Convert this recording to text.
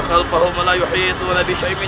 aku ingin lewat jalan sini